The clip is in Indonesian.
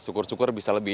syukur syukur bisa lebih